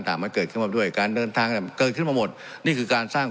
มาเกิดขึ้นมาด้วยการเดินทางเกิดขึ้นมาหมดนี่คือการสร้าง